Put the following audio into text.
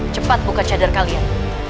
cepat buka cedar kalian